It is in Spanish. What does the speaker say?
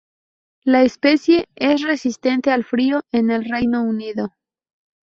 La especie es resistente al frío en el Reino Unido.